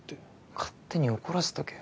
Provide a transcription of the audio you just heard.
勝手に怒らせとけよ。